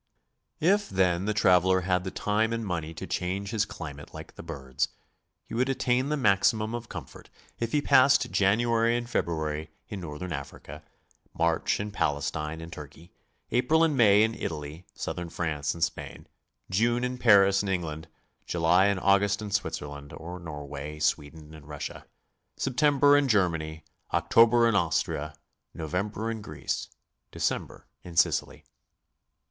If, then, the traveler had the time and money to change his climate like the birds, he would attain the maximum of comfort if he passed January and February in Northern Africa; March in Palestine and Turkey; April and May in Italy, Southern France and Spain; June in Paris and Eng land; July and August in Switzerland, or Norway, Sweden and Russia; September in Germany; October in Austria; November in Greece; December in Sicily.